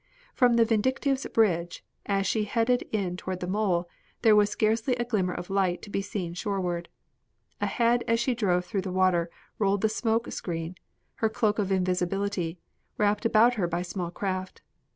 From the Vindictive's bridge, as she headed in toward the mole, there was scarcely a glimmer of light to be seen shoreward. Ahead as she drove through the water rolled the smoke screen, her cloak of invisibility, wrapped about her by small craft.